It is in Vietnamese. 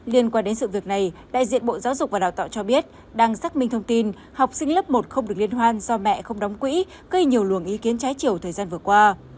liên quan đến sự việc này đại diện bộ giáo dục và đào tạo cho biết đang xác minh thông tin học sinh lớp một không được liên hoan do mẹ không đóng quỹ gây nhiều luồng ý kiến trái chiều thời gian vừa qua